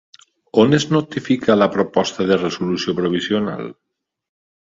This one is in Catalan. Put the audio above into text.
On es notifica la proposta de resolució provisional?